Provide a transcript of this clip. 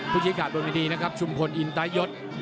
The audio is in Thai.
ภูชิฆาโดมิดีนะครับชุมพลอินตะยศ